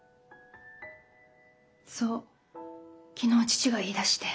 そう昨日父が言いだして。